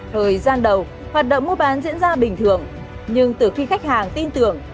thời gian đầu hoạt động mua bán diễn ra bình thường nhưng từ khi khách hàng tin tưởng